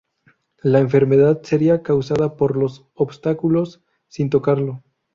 La enfermedad sería causada por los obstáculos, sin tocarlo.